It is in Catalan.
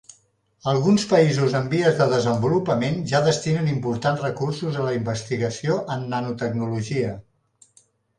Alguns països en vies de desenvolupament ja destinen importants recursos a la investigació en nanotecnologia.